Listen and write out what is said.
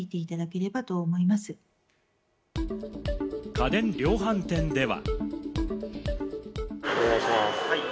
家電量販店では。